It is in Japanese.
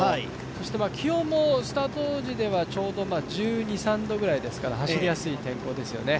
そして気温もスタート時ではちょうど１２１３度ぐらいですので走りやすい天候ですよね。